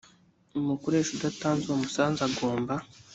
umukoresha udatanze uwo musanzu agomba